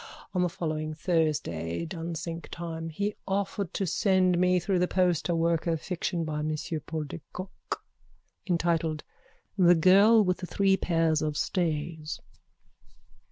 on the following Thursday, Dunsink time. He offered to send me through the post a work of fiction by Monsieur Paul de Kock, entitled The Girl with the Three Pairs of Stays.